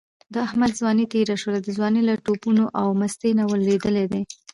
د احمد ځواني تېره شوله، د ځوانۍ له ټوپونو او مستۍ نه لوېدلی دی.